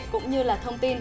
cũng như là thông tin